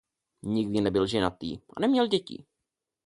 Nikdy nebyl ženatý a neměl děti.